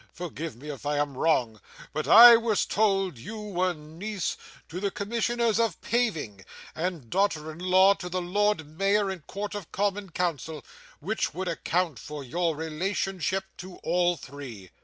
Forgive me, if I am wrong, but I was told you were niece to the Commissioners of Paving, and daughter in law to the Lord Mayor and Court of Common Council, which would account for your relationship to all three.